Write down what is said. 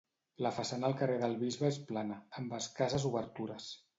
La façana al carrer del Bisbe és plana, amb escasses obertures.